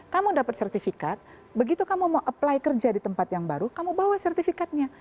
kamu dapat sertifikat begitu kamu mau apply kerja di tempat yang baru kamu bawa sertifikatnya